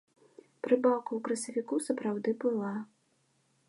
Прыбаўка ў красавіку сапраўды была.